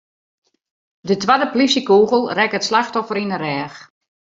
De twadde polysjekûgel rekke it slachtoffer yn 'e rêch.